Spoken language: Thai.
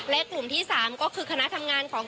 และกลุ่มที่๓ก็คือคณะทำงานของ